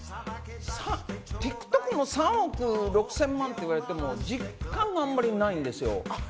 ＴｉｋＴｏｋの３億６０００万っていわれても実感があんまりないんですよ。